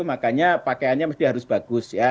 makanya pakaiannya mesti harus bagus ya